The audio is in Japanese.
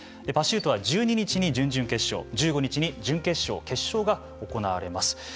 パシュートは１２日に準々決勝１５日に準決勝、決勝が行われます。